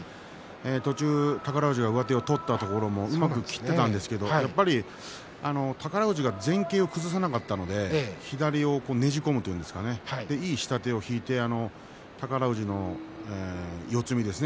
途中宝富士が上手を取ったところもうまく切ったんですがやっぱり宝富士が前傾を崩さなかったので左をねじ込むというんでしょうか下手を引いて宝富士の四つ身ですね